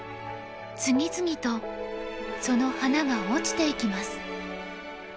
次々とその花が落ちていきます。